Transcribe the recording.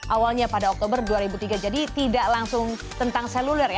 awalnya pada oktober dua ribu tiga jadi tidak langsung tentang seluler ya